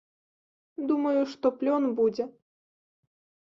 Думаю, што плён будзе.